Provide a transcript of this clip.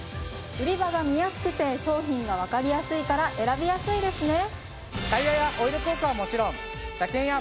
売り場が見やすくて商品がわかりやすいから選びやすいですね！